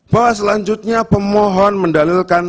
bahwa selanjutnya pemohon mendalilkan